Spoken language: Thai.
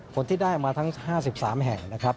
ผลที่ได้มาทั้ง๕๓แห่งนะครับ